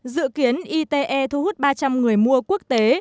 dự kiến ite thu hút ba trăm linh người mua quốc tế